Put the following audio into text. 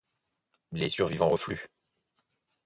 Les survivants refluent.